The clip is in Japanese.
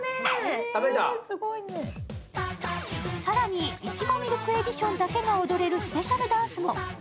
更に、いちごミルクエディションだけが踊れるスペシャルダンスも。